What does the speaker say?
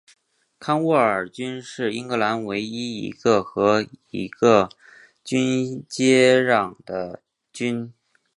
康沃尔郡是英格兰唯一一个只和一个郡接壤的郡。